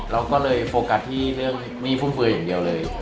เราก็เลยโฟกัสที่เรื่องหนี้ฟุ่มเฟืออย่างเดียวเลย